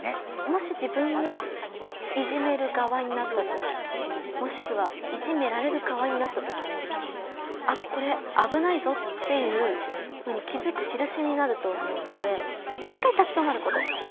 もし自分がいじめる側になった時もしくはいじめられる側になった時に「あっこれあぶないぞ」っていうふうに気づくしるしになると思うので一回立ち止まること。